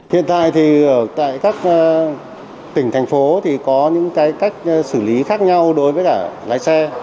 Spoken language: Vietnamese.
hiện tại thì tại các tỉnh thành phố thì có những cái cách xử lý khác nhau đối với cả lái xe